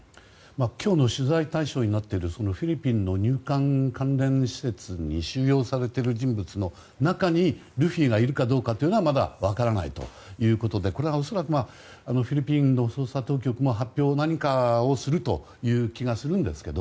今日の取材対象になっているフィリピンの民間関連施設に収容されている人物の中にルフィがいるかどうかというのはまだ分からないということでこれは恐らくフィリピンの捜査当局も何か発表をするという気がするんですけど。